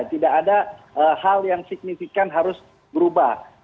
tidak ada hal yang signifikan harus berubah